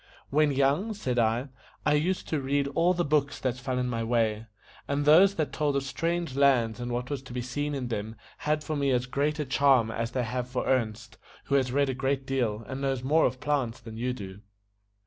"When young," said I, "I used to read all the books that fell in my way; and those that told of strange lands and what was to be seen in them had for me as great a charm as they have for Ernest, who has read a great deal, and knows more of plants than you do."